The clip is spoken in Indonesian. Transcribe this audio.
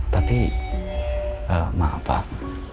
tapi maaf pak